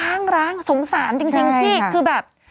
ร้างร้างสงสารจริงพี่คือแบบ